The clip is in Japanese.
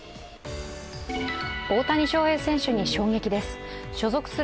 大谷翔平選手に衝撃です。